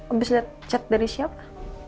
abis liat chat dari siapa